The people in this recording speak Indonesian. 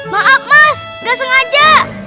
maaf mas gak sengaja